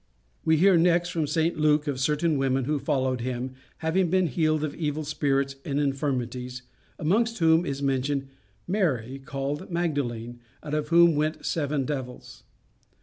We hear next, from St Luke, of certain women who followed him, having been healed of evil spirits and infirmities, amongst whom is mentioned "Mary, called Magdalene, out of whom went seven devils."